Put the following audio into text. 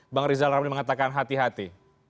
bang rizal ramli mengatakan hati hati